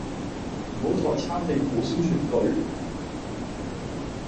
唔好再抄政府宣傳句